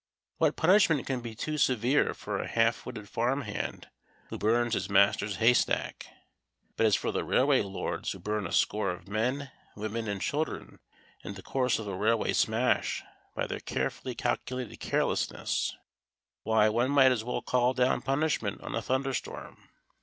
What punishment can be too severe for a half witted farm hand who burns his master's haystack? But as for the railway lords who burn a score of men, women and children in the course of a railway smash by their carefully calculated carelessness, why, one might as well call down punishment on a thunderstorm.